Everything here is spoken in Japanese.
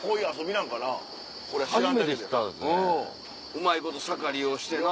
うまいこと坂利用してな。